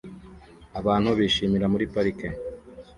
Abantu bishimira muri parike